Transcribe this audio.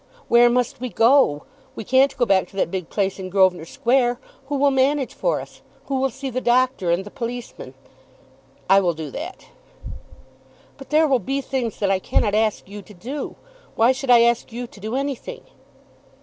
"Where must we go? We can't go back to that big place in Grosvenor Square. Who will manage for us? Who will see the doctor and the policemen?" "I will do that." "But there will be things that I cannot ask you to do. Why should I ask you to do anything?"